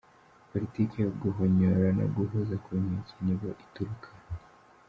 Politiki yo guhonyora no guhoza ku nkeke nibo iturukaho.